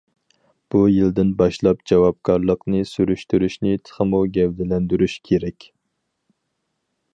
بۇ يىلدىن باشلاپ جاۋابكارلىقنى سۈرۈشتۈرۈشنى تېخىمۇ گەۋدىلەندۈرۈش كېرەك.